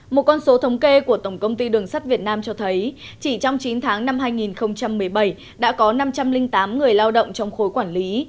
một con số thống kê của tổng công ty đường sắt việt nam cho thấy chỉ trong chín tháng năm hai nghìn một mươi bảy đã có năm trăm linh tám người lao động trong khối quản lý